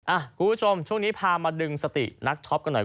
คุณผู้ชมช่วงนี้พามาดึงสตินักช็อปกันหน่อย